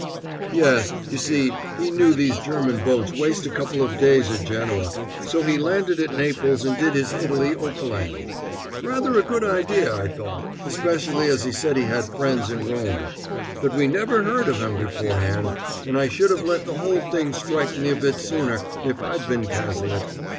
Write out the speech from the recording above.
"Yes; you see, he knew these German boats waste a couple of days at Genoa, so he landed at Naples and did his Italy overland. Rather a good idea, I thought, especially as he said he had friends in Rome; but we never heard of 'em beforehand, and I should have let the whole thing strike me a bit sooner if I'd been Cazalet.